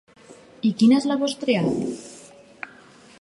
I quina és la vostre app?